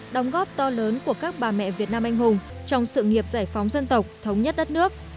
đóng góp to lớn của các bà mẹ việt nam anh hùng trong sự nghiệp giải phóng dân tộc thống nhất đất nước